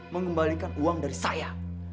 mengembalikan uang dari saya